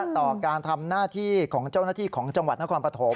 ต่อการทำหน้าที่ของเจ้าหน้าที่ของจังหวัดนครปฐม